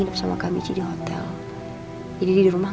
ren kamu udah deket rumah